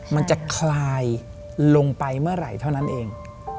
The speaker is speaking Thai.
มันจะคลายลงไปเมื่อไหร่เท่านั้นเอง